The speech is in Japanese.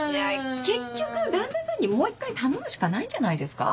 結局旦那さんにもう一回頼むしかないんじゃないですか？